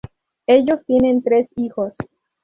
Ellos tienen tres hijos.